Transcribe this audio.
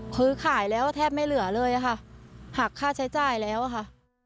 คือขายแล้วแทบไม่เหลือเลยค่ะหักค่าใช้จ่ายแล้วค่ะ